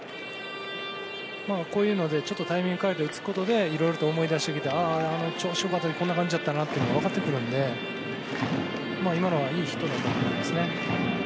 こういうのでちょっとタイミングを変えて打つことでいろいろと思い出してきて調子よかったときこんな感じだったと分かってくるんで今のはいいヒットだったと思います。